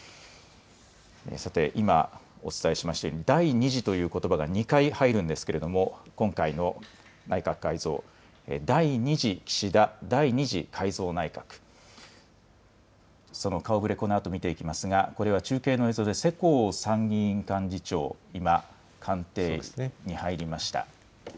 さて今お伝えしましたように第２次ということばが２回入るんですけれども今回の内閣改造、第２次岸田第２次改造内閣、その顔ぶれ、このあと見ていきますがこれは中継の映像で世耕参議院幹事長、今、官邸に入りました。